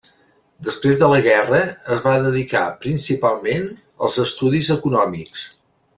Després de la guerra es va dedicar principalment als estudis econòmics.